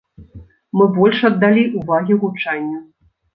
Мы больш аддалі ўвагі гучанню.